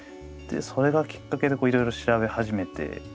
でそれがきっかけでいろいろ調べ始めて。